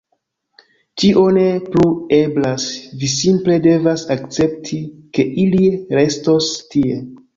Tio ne plu eblas. Vi simple devas akcepti, ke ili restos tie.